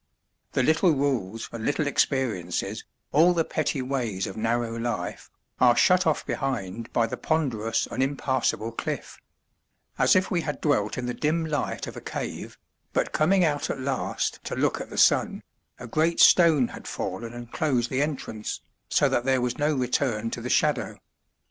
The little rules and little experiences, all the petty ways of narrow life, are shut off behind by the ponderous and impassable cliff; as if we had dwelt in the dim light of a cave, but coming out at last to look at the sun, a great stone had fallen and closed the entrance, so that there was no return to the shadow.